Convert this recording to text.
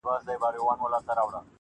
د زمانې له چپاوونو را وتلی چنار-